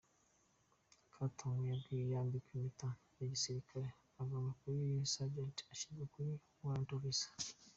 Katongo yambikwa impeta ya gisirikare avanwa kuri Sergeant agashyirwa kuri Warrant Officer.